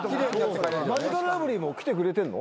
マヂカルラブリーも来てくれてんの？